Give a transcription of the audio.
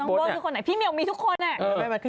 น้องโบ๊ทคือคนไหนพี่เมียลมีทุกคนอ่ะ